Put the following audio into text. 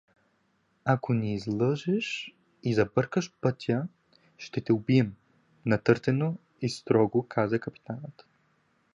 Ако ни излъжеш и забъркаш пътя, ще те убием!— натъртено и строго каза капитанът.